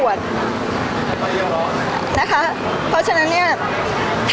พี่ตอบได้แค่นี้จริงค่ะ